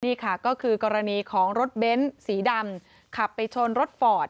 นี่ค่ะก็คือกรณีของรถเบ้นสีดำขับไปชนรถฟอร์ด